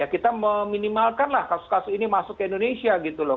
kita meminimalkanlah kasus kasus ini masuk ke indonesia gitu loh